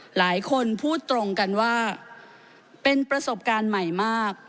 หลายคนพูดตรงกันว่าเป็นประสบการณ์ใหม่มาก